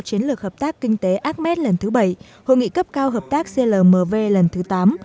chiến lược hợp tác kinh tế ames lần thứ bảy hội nghị cấp cao hợp tác clmv lần thứ tám